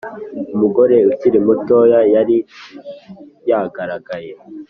umugore ukiri muto yari yagaragaye